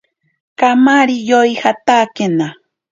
Kamari yoijatakena.